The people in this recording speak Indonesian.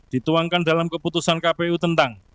dituangkan dalam keputusan kpu tentang